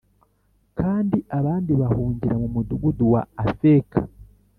Kandi abandi bahungira mu mudugudu wa Afeka